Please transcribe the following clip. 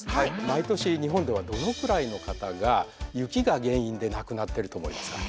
毎年日本ではどのくらいの方が雪が原因で亡くなってると思いますか？